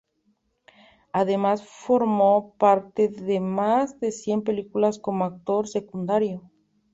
Además formó parte de más de cien películas como actor secundario.